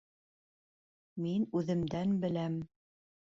Мин үҙемдән беләм.